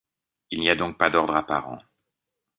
Il n'y a donc pas d’ordre apparent.